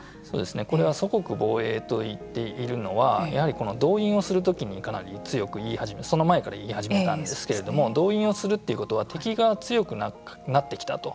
これは祖国防衛と言っているのは動員をする時にかなり強く言い始めたその前から言い始めたんですけれども動員をするということは敵が強くなってきたと。